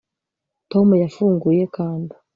Tom yafunguye kanda